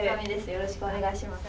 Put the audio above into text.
よろしくお願いします。